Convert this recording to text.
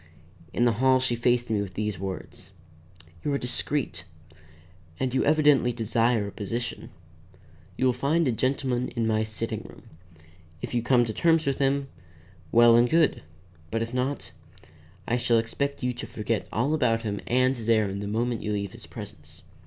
In the hall she faced me with these words: "You are discreet, and you evidently desire a position. You will find a gentleman in my sitting room. If you come to terms with him, well and good. If not, I shall expect you to forget all about him and his errand the moment you leave his presence.